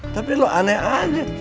tapi lu aneh aja